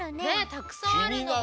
たくさんあるのが。